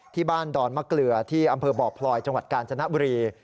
ที่บ้านดอนมะเกลือที่อำเภอบอกพลอยจังหวัดกาญจนบรี